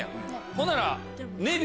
ほんなら。